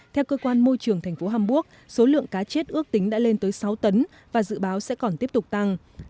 theo cơ quan môi trường thành phố hamburg số lượng cá chết ước tính đã lên tới sáu tấn và dự báo sẽ còn tiếp tục tăng